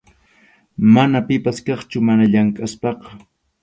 Mana pipas kaqchu mana llamk’aspaqa.